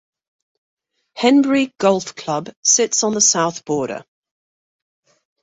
Henbury Golf Club sits on the south border.